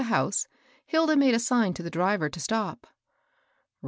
the house, Hilda made a sign to the driver to stop.